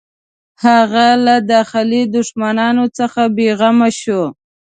هغه له داخلي دښمنانو څخه بېغمه شو.